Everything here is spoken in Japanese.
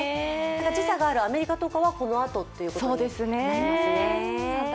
時差があるアメリカとかはこのあとということみたいですね。